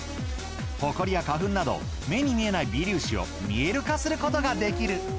ホコリや花粉など目に見えない微粒子を見える化することができる。